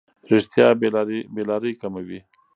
رښتیا بې لارۍ کموي.